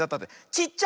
ちっちゃ！